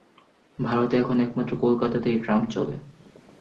ভারতে এখন একমাত্র কলকাতাতেই ট্রাম চলে।